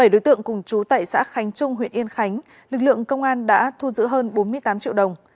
bảy đối tượng cùng chú tại xã khánh trung huyện yên khánh lực lượng công an đã thu giữ hơn bốn mươi tám triệu đồng